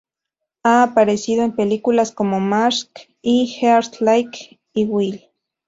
Ha aparecido en películas como Mask y Heart Like a Wheel.